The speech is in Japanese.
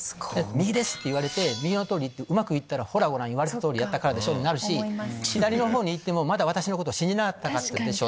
「右です！」って言われて行ってうまく行ったら「ほらご覧言われた通りやったからでしょ」になるし左のほうに行っても「まだ私のこと信じなかったでしょ。